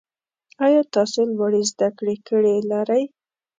آیا تاسو لوړي زده کړي لرئ؟